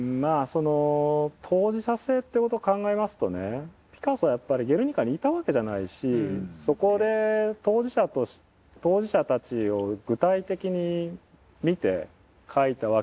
その当事者性ってことを考えますとねピカソはやっぱりゲルニカにいたわけじゃないしそこで当事者として当事者たちを具体的に見て描いたわけではないんですよね。